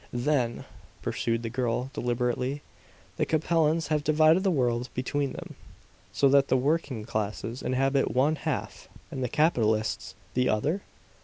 "Then," pursed the girl deliberately, "the Capellans have divided the world between them, so that the working classes inhabit one half, and the capitalists the other?"